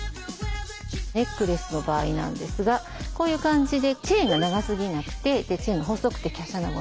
ネックレスの場合なんですがこういう感じでチェーンが長すぎなくてチェーンが細くて華奢なもの。